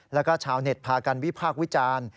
แล้วก็ชาวเน็ตพากันวิพากษ์วิจารณ์